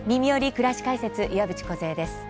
くらし解説」岩渕梢です。